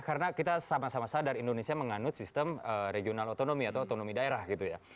karena kita sama sama sadar indonesia menganut sistem regional otonomi atau otonomi daerah gitu ya